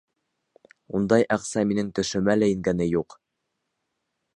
Ундай аҡса минең төшөмә лә ингәне юҡ.